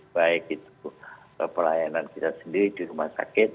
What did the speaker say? baik itu pelayanan kita sendiri di rumah sakit